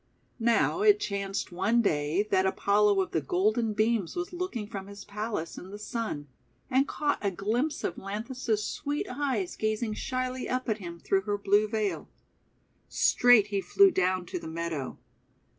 Now it chanced one day that Apollo of the Golden Beams was looking from his Palace in the Sun, and caught a glimpse of lanthis's sweet eyes gazing shyly up at him through her blue veil. Straight he flew down to the meadow.